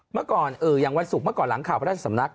เมื่อก่อนอย่างวันศุกร์เมื่อก่อนหลังข่าวพระราชสำนัก